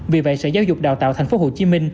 vì vậy sở giáo dục đào tạo tp hcm